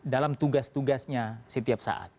dalam tugas tugasnya setiap saat